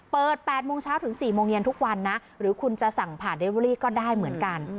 เปิดแปดโมงเช้าถึงสี่โมงเย็นทุกวันนะหรือคุณจะสั่งผ่านด้วยก็ได้เหมือนกัน